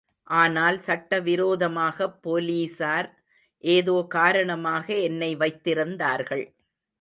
ஆனால் சட்ட விரோதமாகப் போலீசார் ஏதோ காரணமாக என்னை வைத்திருந்தார்கள்.